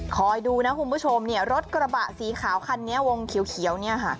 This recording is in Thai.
คอยดูนะคุณผู้ชมเนี่ยรถกระบะสีขาวคันนี้วงเขียวเนี่ยค่ะ